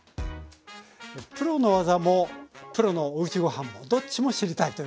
プロの技もプロのおうちごはんもどっちも知りたいというね